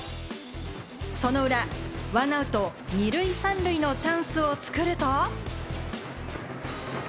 その裏、１アウト２塁３塁のチャンスを作ると。